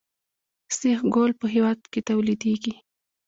سیخ ګول په هیواد کې تولیدیږي